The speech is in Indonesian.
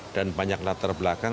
dan banyak latar belakang